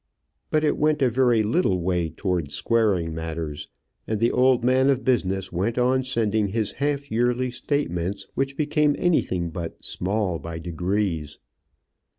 But it went a very little way towards squaring matters, and the old man of business went on sending his half yearly statements, which became anything but "small by degrees."